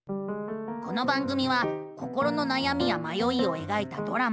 この番組は心のなやみやまよいをえがいたドラマ。